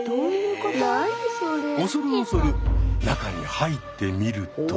恐る恐る中に入ってみると。